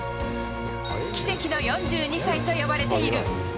奇跡の４２歳と呼ばれている。